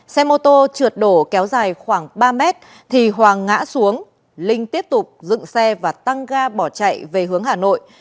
xe mô tô trượt đổ kéo dài khoảng ba mét thì hoàng ngã xuống linh tiếp tục dựng xe và tăng ga bỏ chạy về hướng hà nội